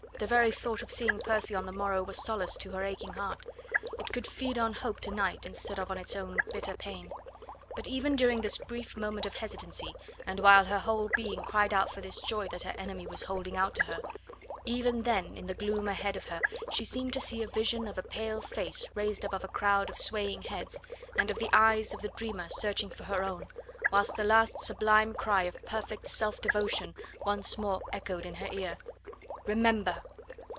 The very thought of seeing Percy on the morrow was solace to her aching heart; it could feed on hope to night instead of on its own bitter pain. But even during this brief moment of hesitancy, and while her whole being cried out for this joy that her enemy was holding out to her, even then in the gloom ahead of her she seemed to see a vision of a pale face raised above a crowd of swaying heads, and of the eyes of the dreamer searching for her own, whilst the last sublime cry of perfect self devotion once more echoed in her ear: "Remember!"